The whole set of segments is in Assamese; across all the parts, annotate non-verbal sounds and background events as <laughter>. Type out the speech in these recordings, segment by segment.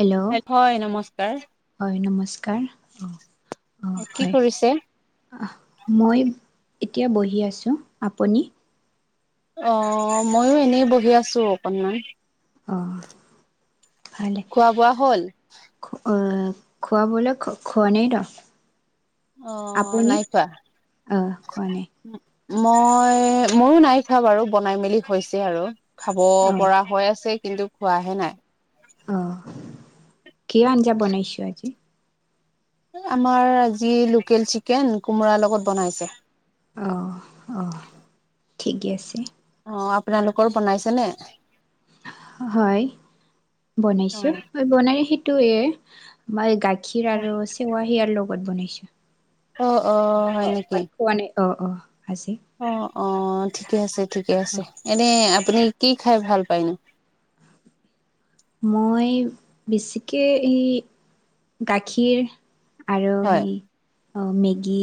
হেল্ল' হয় নমস্কাৰ হয় নমস্কাৰ অঁ অ কি হয় কৰিছে মই এতিয়া বহি আছো আপুনি অ ময়ো এনেই বহি আছো অকণমান অ ভালে খোৱা বোৱা হ'ল অ খোৱাবলৈ খোৱা নাই ৰ অ আপুনি নাই খোৱা অহ খোৱা নাই মই ময়ো নাই খোৱা বাৰু বনাই মেলি হৈছে আৰু খাব অঁ পৰা হৈ আছে কিন্তু খোৱাহে নাই। অঁ, কি আঞ্জা বনাইছা আজি? আমাৰ আজি লোকেল চিকেন কোমোৰাৰ লগত বনাইছে। অহ অহ, ঠিকে আছে। অ' আপোনালোকৰ বনাইছে নে? হয় বনাইছো, অ বনাই সেইটোয়ে। মই গাখীৰ আৰু চেৱৈ হিয়াৰ লগত বনাইছো। অ অ হয় নেকি? পোৱা নাই অ অ আছে। অঁ অঁ ঠিকে আছে ঠিকে আছে। এনে আপুনি কি খাই ভাল পাই নো? মই বেছিকৈ এই গাখীৰ। আৰু হয় সেই মেগী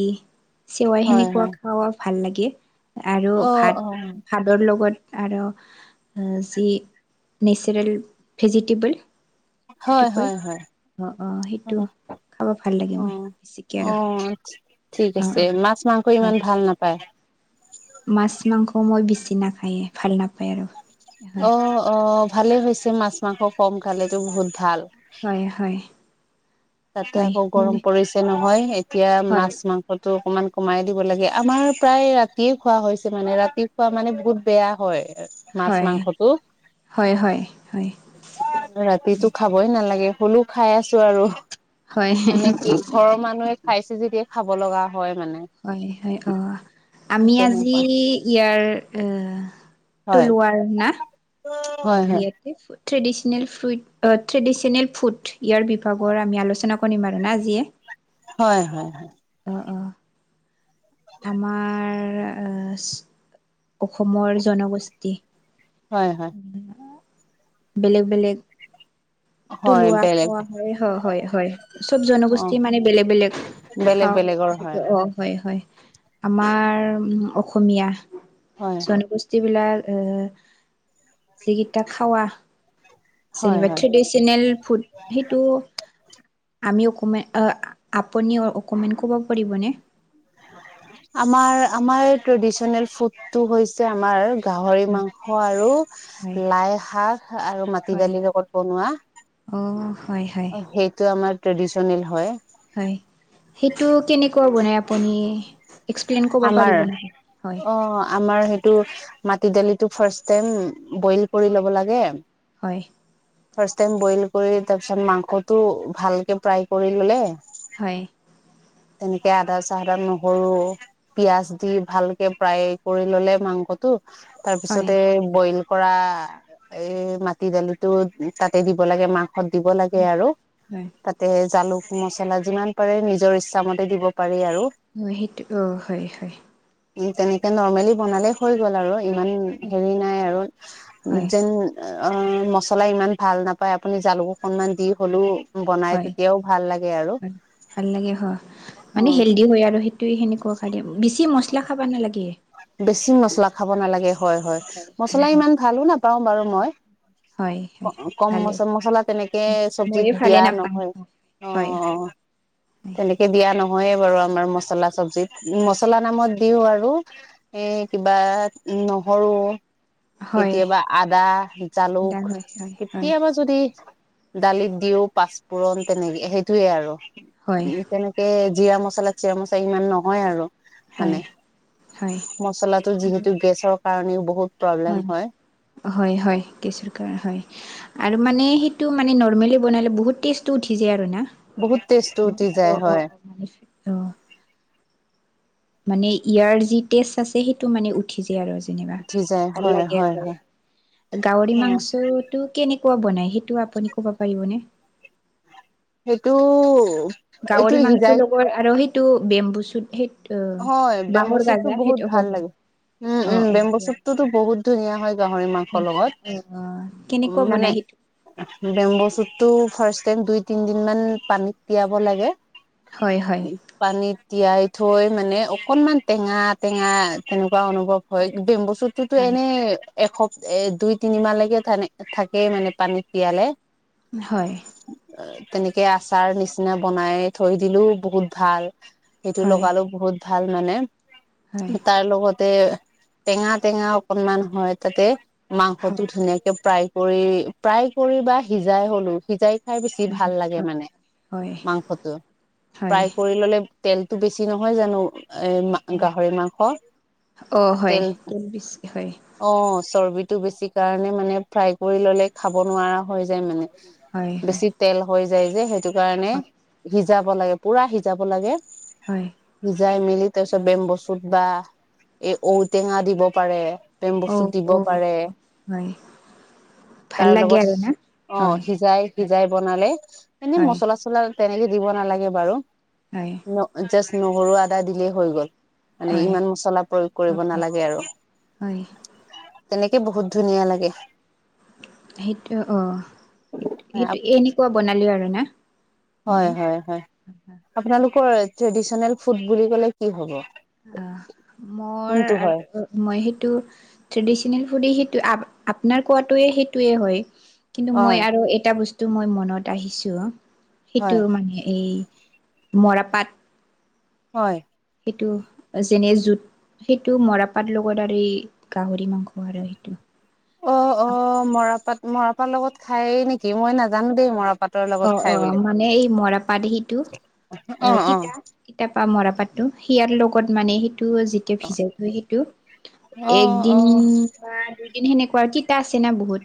চেৱৈ হয় সেনেকুৱা হয় খায় ভাল লাগে। আৰু অ অ ভাত। ভাতৰ লগত আৰু যি নেচাৰেল ভেজিটেবল। সেইটো হয় কয় হয় হয়। অ অ সেইটো। খাব ভাল লাগে মই অঁ বেছিকে আৰু অ' ঠিক অ আছে, অ মাছ মাংস হয় ইমান ভাল নাপায়? মাছ মাংস মই বেছি নাখায়ে ভাল নাপায় আৰু। হয় অ' অ', ভালেই হৈছে মাছ মাংস কম খালেতো বহুত ভাল। হয় হয়। তাতে হয় আকৌ গৰম মানে পৰিছে নহয় এতিয়া হয় মাছ মাংস টো অকমান কমাই দিব লাগে আমাৰ প্ৰায় ৰাতিয়ে খোৱা হৈছে মানে, ৰাতি খোৱা মানে বহুত বেয়া হয়। এ মাছ হয় মাংসটো। হয় হয় হয় ৰাতিটো খাবই নালাগে হ'লেও খাই আছো আৰু। হয় মানে কি ঘৰৰ মানুহে খাইছে যেতিয়া খাব লগা হয় মানে? হয় হয় অ'। আমি আজি তেনেকুৱা ইয়াৰ টো হয় লোৱা আৰু না। হয় হয়। ইয়াতে ট্ৰেডিচনেল ফ্ৰুইট, আ ট্ৰেডিশচনেল ফুড ইয়াৰ বিভাগৰ আমি আলোচনা কৰিম আৰু না আজিয়ে। হয় হয়। অঁ অঁ। আমাৰ আ অসমৰ জনগোষ্ঠী হয় হয়। বেলেগ বেলেগ হয় থলুৱা বেলেগ খোৱা হয় হয় হয় হয়। চব অ জনগোষ্ঠী মানে বেলেগ বেলেগ বেলেগ খাওঁ। বেলেগৰ হয় অ' হয় হয়। আমাৰ অসমীয়া হয় জন গোষ্ঠী যিবিলাক এ যিকিতা খাৱা হয় যেনিবা হয় ট্ৰেডি চিনল ফুড সেইটো আমি অকমান আপুনি অকমান ক'ব পাৰিবনে? আমাৰ আমাৰ ট্ৰেডিচনেল ফুডটো হৈছে আমাৰ গাহৰি মাংস হয় আৰু লাই শাক আৰু মাটি হয়। দালিৰ লগত বনোৱা অ' হয় হয় সেইটো আমাৰ ট্ৰেডিচনেল হয়। হয় সেইটো কেনেকুৱা বনায় আপুনি? এক্সপ্লেইন কৰিব আমাৰ পাৰিব নেকি? হয় অ' আমাৰ সেই টো মাটি দালিটো ফাৰ্ষ টাইম বইল কৰি ল'ব লাগে। হয়। ফাৰ্ষ টাইম বইল কৰি তাৰপিছত মাংসটো ভালকে ফ্ৰাই কৰি ল'লে। হয়। তেনেকে আদা চাহদা নহৰু পিয়াজ দি ভালকে ফ্ৰাই কৰি ল'লে মাংসটো হয়। তাৰপিছতে বইল কৰা এই মাটি দালিটো তাতে দিব লাগে মা সত দিব লাগে হয় আৰু হয়। জালুক মছলা যিমান পাৰে নিজৰ ইচ্ছামতে দিব পাৰি আৰু। অঁ, সেইটো অ' হয় হয়। উ তেনেকে নৰ্মেলি বনালে হৈ গ'ল আৰু ইমান হেৰি নাই আৰু হয় যেন অঁ মচলা ইমান ভাল নাপায় আপুনি জালুক অকনমান দি হ'লেও বনাই হয় তেতিয়াও ভাল লাগে আৰু হয় ভাল লাগে, হ অ মানে হেলডি হয় আৰু স ত এই সেনেকুৱা খাইয়ে বেছি মছলা খাবা নালাগে। বেছি মছলা খাব নালাগে হয় হয়। হয় মছলা হয় ইমান ভালো নাপাওঁ বাৰু মই। হয় ক হয় কম ভালে মচ মছলা তেনেকে চবজিত ময়ো ভালে দিয়া নাপাওঁ নহয়। অ অ হয়। তেনেকে দিয়া নহয়ে বাৰু আমাৰ মছলা চবজিত, মচলা নামত দিও আৰু। সেই কিবা নহৰু হয় কেতিয়াবা আদা, জালুক দা হয় হয় হয় কেতিয়াবা যদি দালিত দিওঁ পাঁচপোৰণ তেনেকে সেইটোয়ে আৰু হয় তেনেকে জিৰা মছলা চিৰা মছলা সিমান নহয় আৰু হয়। হয় মছলা টো যিহেতু গেছৰ কাৰণেও বহুত হয়। হয় হয় গেচোৰ কাৰ হয়। আৰু মানে সেইটো মানে নৰমেলি বনালে বহুত টেস্টটো উঠি যায় আৰু না। বহুত টেষ্টটো উঠি যায় হয়। অঁ মানে ইয়াৰ যি টেষ্ট আছে সেইটো মানে উ টি যায় আৰু যেনিবা উঠি যায় ভাল হয় লাগে হয় হয়। গাহৰি হয় মাংসত টো কেনেকুৱা বনাই, সেইটো আপুনি ক'ব পাৰিবনে? সেইটো ও গহৰি মাংসৰ লগৰ আৰু সেইটো বেম্বু চুত সেই হয় বেমব বাঁহৰ বচুতটো গাজা বহুত সেইটো ভাল হয় হয় লাগে। উম উম অ', অ', ইয়াৰ বেম্বুচুতটো ত' বহুত ধুনীয়া হয় গাহৰি মাংসৰ ধুনীয়া লগত অ', অ উ কেনেকুৱা মানে বনাই সেইটো? বেম্ব চুতটো ফাৰ্ষট টাইম দুই তিন দিন মান পানীত তিয়াব লাগে। হয় হয়। পানীত তিয়াই থৈ মানে অকনমান টেঙা টেঙা তেনেকুৱা অনুভৱ হয় বেম্বুচুতটো ত' হয়, এনেই এসপ দুই তিনি মাহলৈকে থাকেই মানে পানীত তিয়ালে। হয়। তেনেকে আচাৰ নিচিনা বনাই থৈ দিলো বহুত ভাল। সেইটো হয়, লগালো বহুত ভাল মানে, হয়, তাৰ লগত তাতে টেঙা টেঙা অকনমান হয় তাতে মাংসটো হয়। ধুনীয়াকে প্ৰায় কৰি প্ৰায় কৰি বা সিজাই হ'লো সিজাই খাই বেছি হয়, ভাল লাগে মানে হয়, মাংসটো হয় প্ৰায় কৰি ললে তেলতো বেছি নহয় জানো এ গাহৰি মাংস অ', হয়, তেল বেছি হয়, অ চৰ্বিটো বেছি কাৰণে মানে ফ্ৰাই কৰি ল'লে খাব নোৱাৰা হৈ যায় মানে হয়, হয়, বেছি তেল হৈ যায় যে সেইটো কাৰণে হয়, সিজাব লাগে পুৰা সিজাব লাগে হয় সিজাই মেলি তাৰ পিছত বেম্ব চুত বা এই ঔটেঙা দিব পাৰে প্ৰেম বস্তু অ', দিব অ', পাৰে হয়, ভাল তাৰ লাগে আৰু না? লগত অ' হয়। সিজাই সিজাই বনালে এনে হয়, মছলা চছলা তেনেকে দিব নালাগে বাৰু হয় জাষ্ট নহৰু আদা দিলেই হৈ গ'ল মানে হয়, ইমান মছলা প্ৰয়োগ কৰিব নালাগে আৰু হয়, তেনেকে বহুত ধুনীয়া লাগে সেইটো অ' সেইটো এনেকুৱা বনালোঁ আৰু না হয় মানে হয় হয় আপোনালোকৰ ট্ৰেডিচনেল ফুড বুলি ক'লে কি হ'ব আ মোৰ কোনটো হয় মই সেইটো ট্ৰেডিচনেল ফুডেই সেইটো আপোনাৰ কোৱাটোয়ে সেইটোৱে হয় কিন্তু মই হয় আৰু এটা বস্তু মই মনত আহিছো সেইটো হয় মানে এই মৰাপাট হয় সেইটো যেনে যোত সেইটো মৰাপাত লগত আৰু এই গাহৰি মাংস আৰু সেইটো অ' অ' মৰাপাট মৰাপাটৰ লগত খায় নেকি মই নাজানো দেই মৰাপাট অ' অ' মানে এই মৰাপাট সিটো অ' তিতা এতিয়া পা মৰাপাততো সিয়াৰ লগত মানে সেইটো যেতিয়া ভিজাই থৈ সেইটো অ অ একদিন বা দুইদিন সেনেকুৱা তিতা আছে না বহুত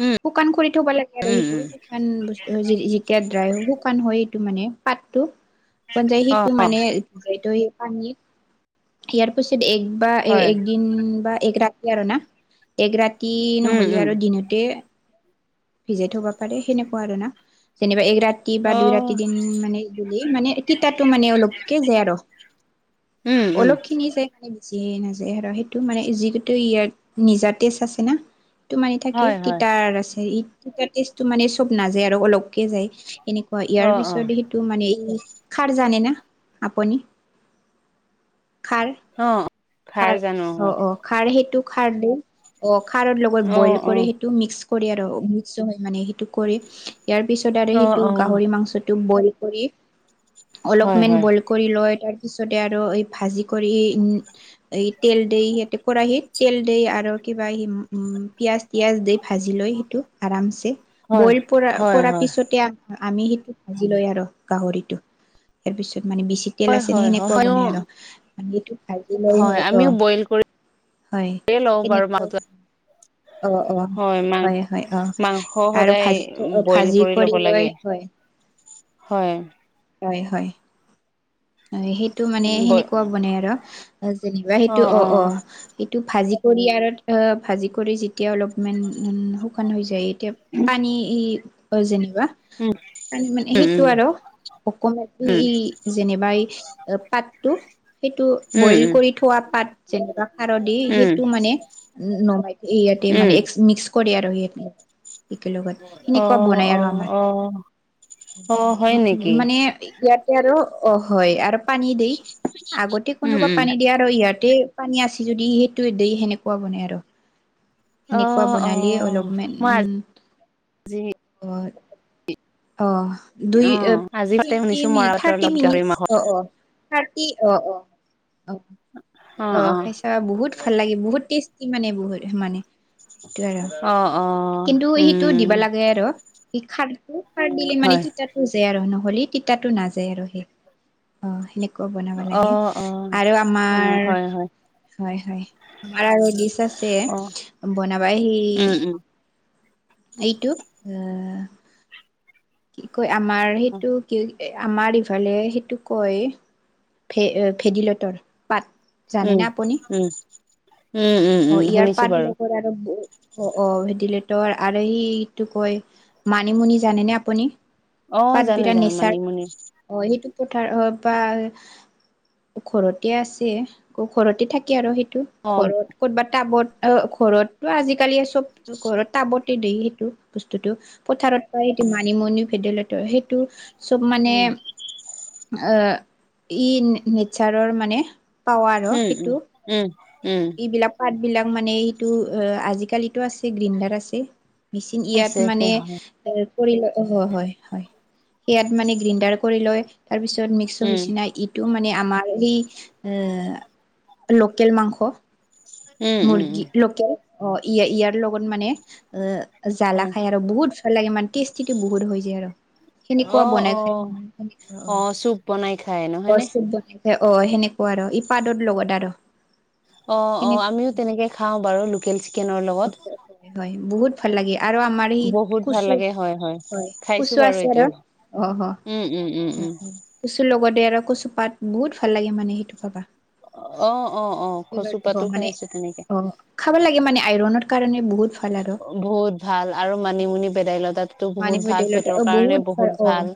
উম শুকান খৰি থব লাগে আৰু উম সেইটো উম শুকান বস্তু যেতিয়া ড্ৰাই শুকান হয় সেইটো মানে পাতটো মন যায় অ সেইটো অ মানে ইয়াৰ পিছত এক বা হয় একদিন বা এক ৰাতি আৰু না এক ৰাতি উম নহলে উম আৰু দিনতে ভিজাই থব পাৰে সেনেকুৱা আৰু না যেনিবা এক ৰা ৰাতি বা অ দুই ৰাতি দিন মানে দিলে মানে তিতাটো মানে অলপকে যায় আৰু উম উম নিছে নিজে নাযায় আৰু সেইটো মানে যি ইয়াত নিজা টেষ্ট আছে না টো মানে থাকে হয় হয় তিতাৰ আছে ই তিতা টেষ্টতো মানে চব নাযায় আৰু অলপকে যায় এনেকুৱা ইয়াৰ অ অ পিছত সি মানে ই খাৰ জানে না আপুনি খাৰ অ' খাৰ জানো হয় অ' অ' খাৰ সেইটো খাৰ অ' খাৰৰ লগত অ বইল অ কৰে সেই টো মিক্স কৰি আৰু মিক্স হৈ মানে সেইটো কৰি ইয়াৰ পিছত আৰু অ সেইটো অ গাহৰি মাংসটো বইল কৰি হয় অলপমান হয় বইল কৰি লৈ তাৰপিছতে আৰু এই ভাজি কৰি এই তেল দি সিহঁতে কেৰাহিত তেল দি আৰু কিবা উম পিয়াজ। পিঁয়াজ দি ভাজি লৈ সেইটো আৰামছে হয় বইল কৰা হয় কৰাৰ হয় পিছতে। আমি সেইটো ভাজি লয় আৰু গাহৰিটো তাৰ পিছত মানে বেছি। তেল আছে হয় হয় সেনেকুৱা হয় বনাই আৰু এই। ব‌ইল হয় ত আমিও বইল হয় কৰিয়ে লওঁ বাৰু কেনেকোৱা মাংসটো অ' অ'। হয় মা হয় অ মাংস আৰু সদায় ভাজি বইল ভাজি কৰি ল'ব লৈ লাগে। হয় হয়। হয় হয়। সেইটো মানে উম বই সেনেকুৱা বনাই আৰু যেনিবা সেইটো অ' অ' এইটো ভাজি কৰি আৰু ভাজি কৰি যেতিয়া অলপমান শুকান হৈ যায় এতিয়া। হ। ই ই যেনিবা ম মানে সেইটো উম আৰু অক ই উম ই। যেনিবা এই পাতটো সেইটো উম উম বইল কৰি থোৱা পাত যেনিবা খাৰ দি উম উম সেইটো মানে। উম নহয় এই ইয়াতে উম মানে এক্স মিক্স কৰে আৰু ইয়াতে। একে লগত অ সেনেকুৱা বনাই অ আৰু আমাৰ অ অ হয় নেকি মানে। ইয়াতে আৰু অ হয় আৰু পানী দি আগতে উম কোনোবা উম পানী দিয়ে আৰু ইয়াত। ত পানী আছে যদি সেইটো দি সেনেকুৱা বনাই আৰু। অ সেনেকুৱা অ বনালে অলপমান মই উম। আজি হয় অহ। অ আজি ততে শুনিছো মৰাঁ পাতৰ লগত গাহৰি মাংস। অঁ অ থাৰ্টি অঁ অ অঁ অ অঁ অ খাইচ। এ বহুত ভাল লাগে বহুত টেষ্টি মানে বহুত মানে। সেইটো আৰু অ অ কিন্তু সেইটো উম দিবা লাগে আৰু। খাৰটো খাৰ দিলে মানে হয় তিতাটো যায় আৰু নহ'লে তিতাটো নাযায় আৰু সেই। অ' সেনেকুৱা বনাব অ লাগে অ আৰু আমাৰ। হয় হয় হয় হয় আমাৰ আৰু ডিচ আছে অ বনাবা সি। উম উম। এইটো এ। কি কয় আমাৰ উম সেইটো কি। এ আমাৰ ইফালে সেইটো কয় ভে ভেদিলতাৰ পাত। উম জানেনে আপুনি উম উম উম অ' ইয়াৰ শুনিছো পাত বাৰু লগত আৰু। অ অ ভেণ্টিলেটৰ আৰু সিটো কয় মানিমুনি জানে নে আপুনি। অ পাত জানো বিৰা জানো নিচাৰ মানিমুনি অ সেইটো পথাৰ অ বা। ঘৰতে আছে ঘৰতে থাকে আৰু সেইটো অ ঘৰত। ক'তবা টাবত অ ঘৰত বা আজিকালি চব। ঘৰত টাবতে দ সেইটো বস্তুটো পথাৰত পাই তো মাট। নিমুনি ভেদাইলতা সেইটো চব মানে। উম আহ ই নে নেচাৰৰ মানে। পাৱাৰ উম উম সেইটো উম উম। এইবিলাক পাত বিলাক মানে সেইটো অ আজিকালিতো আছে গ্ৰ্ৰীণ্ডাৰ আছে। মেচিন ইয়াত আছে আছে মানে। হয় কৰি ল অ হয় হয় সেয়াত মানে গ্ৰীণ্ডাৰ কৰি লয় তাৰপিছত মি। চ উম সিচিনা ইটো মানে আমাৰ সেই এ লোকেল মাংস। উ <unintelligible> মুৰ্গী লোকেল অ ইয় ইয়াৰ লগত মানে এ জ্বালা উম খায় আৰু বহুত ভাল লাগে ইমান টেষ্টি টো বহুত হৈ যায় আৰু। সেনেকুৱা অ বনাই অ খাই অ চুপ বনাই খাই অ নহয়নে চোপ বনাই অঁ সেনেকুৱা আৰু ইপাদৰ লগত আৰু। অঁ অঁ সেনেকুৱা আমিও তেনেকে খাওঁ বাৰু লোকেল চিকেনৰ লগত। হয়ঁ হয়ঁ বহুত ভাল লাগে আৰু আমাৰ ই বহুত ভাল কুচু লাগে হয় হয় খাইছো কুচু বাৰু আছে এইটো আৰু অঁ অঁ উম উম উম উম কচুৰ লগতে আৰু কচু পাত বহুত ভাল লাগে মানে সেইটো পাবা। অঁ অঁ অঁ কচু পাতো মানে খাইছো তেনেকে অ খাব লাগে মানে আইৰনৰ কাৰণে বহুত ভাল। আৰু বহুত ভাল আৰু মানিমুনি ভেদাইলতাটো বহুত মানিমুনি ভাল দাইলত অ পেটৰ কাৰণে বহুত অ ভাল।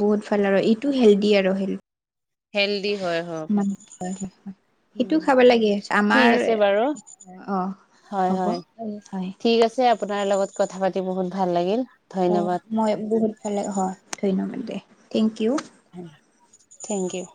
বহুত ভাল আৰু এইটো হেল্ডি আৰু হেল হেল্ডি হয়ঁ হ মানে সেইটো উমঁ খাব লাগে ঠিক আমাৰ আছে বাৰু অ হয়ঁ হ'ব হয়ঁ। হয় ঠিক আছে আপোনাৰ লগত কথা পাতি বহুত ভাল লাগিল। অঁ ধন্যবাদ মই বহুত ভাল লাগে হয় ধন্যবাদ দে থেংক কিউ থেংক কিউ